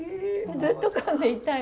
ずっと噛んでいたい。